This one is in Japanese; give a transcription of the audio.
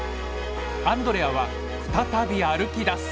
アンドレアは再び歩きだす。